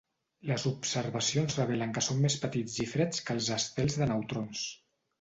Les observacions revelen que són més petits i freds que els estels de neutrons.